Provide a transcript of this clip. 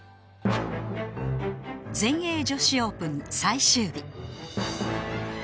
全英女子オープン最終日